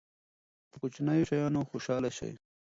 په کوچنیو شیانو خوشحاله شئ.